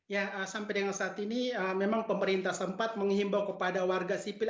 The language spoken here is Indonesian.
ya sampai dengan saat ini memang pemerintah sempat menghimbau kepada warga sipil